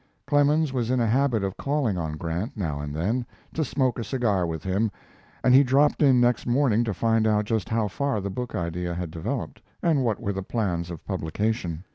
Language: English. Clemens was in the habit of calling on Grant, now and then, to smoke a cigar with him, and he dropped in next morning to find out just how far the book idea had developed, and what were the plans of publication.